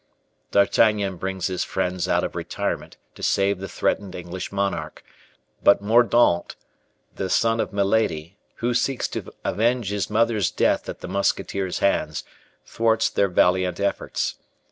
D'Artagnan brings his friends out of retirement to save the threatened English monarch, but Mordaunt, the son of Milady, who seeks to avenge his mother's death at the musketeers' hands, thwarts their valiant efforts.